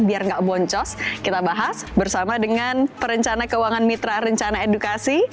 biar nggak boncos kita bahas bersama dengan perencana keuangan mitra rencana edukasi